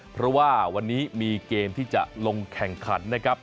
เพราะว่าวันนี้มีเกมที่จะลงแข่งขันนะครับ